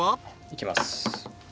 いきます